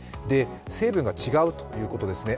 成分が違うということですね。